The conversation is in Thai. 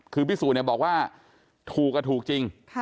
คือพี่สูจนบอกว่าถูกก็ถูกจริง